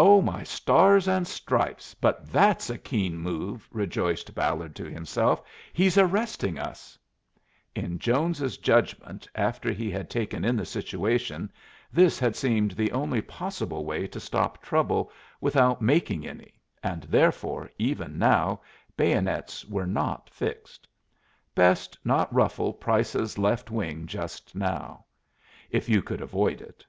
"Oh, my stars and stripes, but that's a keen move!" rejoiced Ballard to himself. "He's arresting us." [Illustration: "'DON'T NOBODY HURT ANYBODY,' SAID SPECIMEN JONES"] In Jones's judgment, after he had taken in the situation, this had seemed the only possible way to stop trouble without making any, and therefore, even now, bayonets were not fixed. Best not ruffle Price's Left Wing just now, if you could avoid it.